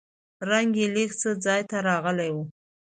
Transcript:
رنګ يې لېږ څه ځاى ته راغلو.